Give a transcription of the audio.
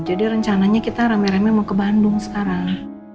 rencananya kita rame rame mau ke bandung sekarang